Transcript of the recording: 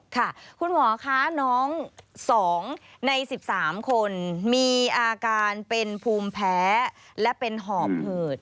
ค่ะคุณหมอคะน้อง๒ใน๑๓คนมีอาการเป็นภูมิแพ้และเป็นหอบเหิด